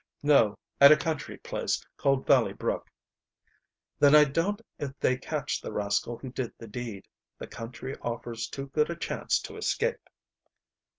"No; at a country place called Valley Brook." "Then I doubt if they catch the rascal who did the deed. The country offers too good a chance to escape."